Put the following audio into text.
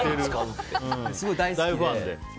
すごい大好きで。